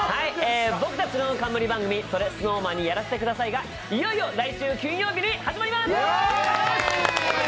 僕たちの冠番組「それＳｎｏｗＭａｎにやらせて下さい」がいよいよ来週金曜日に始まります。